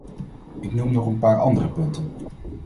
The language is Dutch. Ik noem nog een paar andere punten.